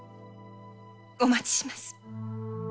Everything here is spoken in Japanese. お待ちします。